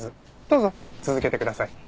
どうぞ続けてください。